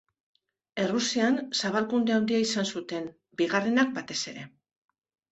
Errusian zabalkunde handia izan zuten, bigarrenak batez ere.